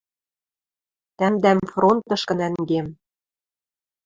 Тӓмдӓм фронтышкы нӓнгем.